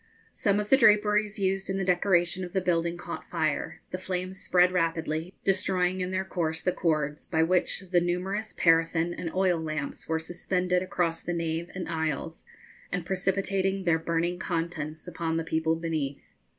Some of the draperies used in the decoration of the building caught fire, the flames spread rapidly, destroying in their course the cords by which the numerous paraffin and oil lamps were suspended across the nave and aisles, and precipitating their burning contents upon the people beneath.